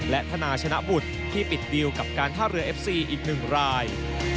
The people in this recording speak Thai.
และธนาชนะบุตรที่ปิดดีลกับการท่าเรือเอฟซีอีก๑ราย